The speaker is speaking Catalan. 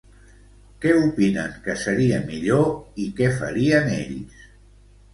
Què opinen que seria millor i que farien ells?